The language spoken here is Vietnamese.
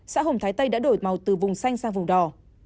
xã hồng thái tây đã đổi màu từ vùng xanh sang vùng đỏ